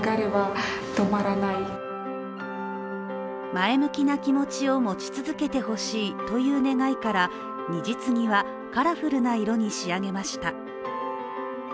前向きな気持ちを持ち続けてほしいという願いから虹継ぎはカラフルな色に仕上げました。